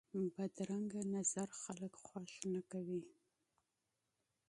بدرنګه نظر خلک خوښ نه کوي